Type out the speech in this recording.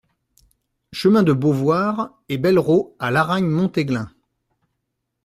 Chemin de Beauvoir et Bellerots à Laragne-Montéglin